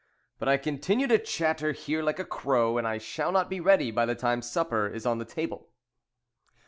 But I continue to chatter here like a crow, and I shall not be ready by the time supper is on the table."